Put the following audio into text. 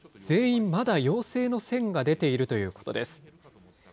全員まだ陽性の線が出ているということです。